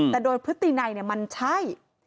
แต่โดยพฤตินัยมันใช่